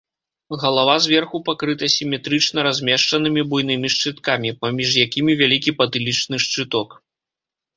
Галава зверху пакрыта сіметрычна размешчанымі буйнымі шчыткамі, паміж якімі вялікі патылічны шчыток.